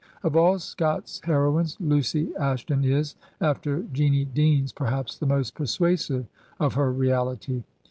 Of all Scott's heroines Lucy Ashton is, after Jeanie Deans, perhaps the most persuasive of her reality.